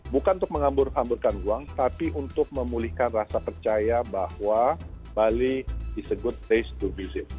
bukan untuk mengamburkan uang tapi untuk memulihkan rasa percaya bahwa bali is a good place to visit